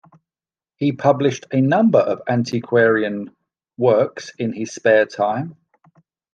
He published a number of antiquarian works in his spare time.